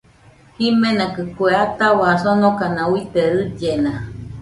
Jimenakɨ kue atahua sonokana uite, rillena